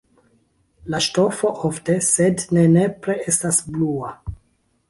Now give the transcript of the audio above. La ŝtofo ofte, sed ne nepre estas blua.